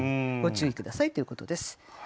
ご注意下さいということです。